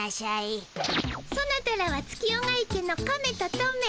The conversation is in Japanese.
ソナタらは月夜が池のカメとトメ。